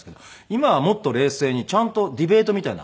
今はもっと冷静にちゃんとディベートみたいな。